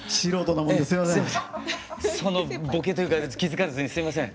そのボケというか気付かずにすいません。